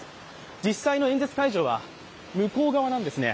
実際の演説会場は向こう側なんですね。